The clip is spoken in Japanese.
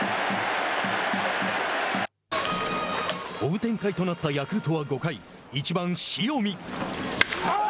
追う展開となったヤクルトは５回１番塩見。